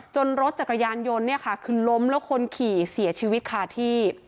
จนรถจักรยานยนต์คือล้มแล้วคนขี่เสียชีวิตค่าที่